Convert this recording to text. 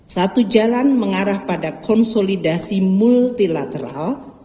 satu jalan mengarah pada konsolidasi multilateral